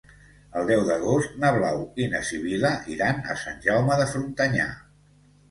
El deu d'agost na Blau i na Sibil·la iran a Sant Jaume de Frontanyà.